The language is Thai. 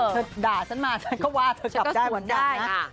เธอบาจฉันมาฉันก็ว่าเธอกลับได้หมดนี้